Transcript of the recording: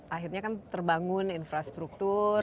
akhirnya kan terbangun infrastruktur